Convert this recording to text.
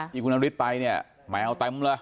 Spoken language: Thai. ที่คุณนฤทธิ์ไปเนี่ยแมวเต็มเลย